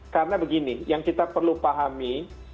karena begini yang kita perlu pahami